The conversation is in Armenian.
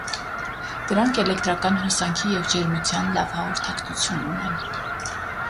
Դրանք էլեկտրական հոսանքի և ջերմության լավ հաղորդականություն ունեն։